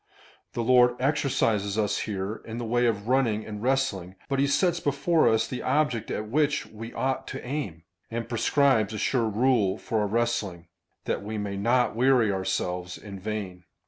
" The Lord exercises us here in the way of running and wrestling, but he sets before us the object at which we ought to aim, and prescribes a sure rule for our wrestling, that we may not weary ourselves in vain."